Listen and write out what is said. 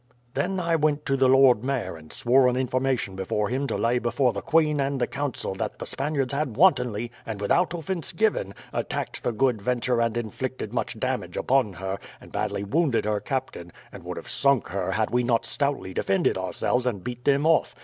"Then I went to the lord mayor and swore an information before him to lay before the queen and the council that the Spaniards had wantonly, and without offence given, attacked the Good Venture and inflicted much damage upon her, and badly wounded her captain; and would have sunk her had we not stoutly defended ourselves and beat them off.